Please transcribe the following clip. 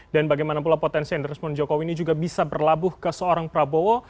dan bagaimana pula potensi yang direspon jokowi ini juga bisa berlabuh ke seorang prabowo